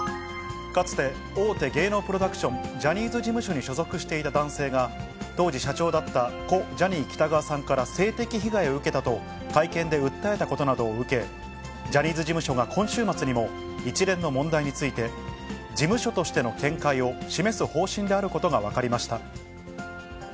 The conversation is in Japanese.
かつて、大手芸能プロダクション、ジャニーズ事務所に所属していた男性が、当時社長だった故・ジャニー喜多川さんから性的被害を受けたと会見で訴えたことなどを受け、ジャニーズ事務所が今週末にも一連の問題について、事務所としての見解を示す方針であることが分かりました。